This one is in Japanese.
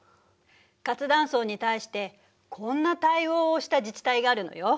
活断層に対してこんな対応をした自治体があるのよ。